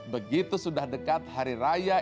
begitu sudah dekat hari raya